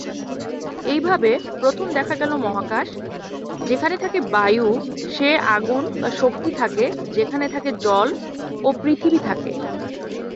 এইভাবে, প্রথম দেখা গেল মহাকাশ, যেখান থেকে বায়ু, সেই আগুন বা শক্তি থেকে, যেখান থেকে জল, ও পৃথিবী থেকে।